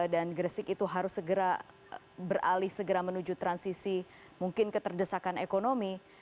dan gresik itu harus segera beralih segera menuju transisi mungkin keterdesakan ekonomi